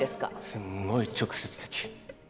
すんごい直接的。